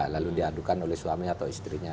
lalu diadukan oleh suami atau istrinya